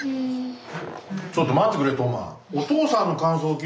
ちょっと待ってくれ橙真。